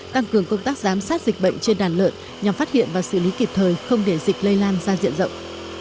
tăng cường công tác giám sát dịch bệnh trên đàn lợn nhằm phát hiện và xử lý kịp thời không để dịch lây lan ra diện rộng